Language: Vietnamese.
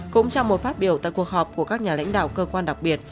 cũng trong một phát biểu tại cuộc họp của các nhà lãnh đạo cơ quan đặc biệt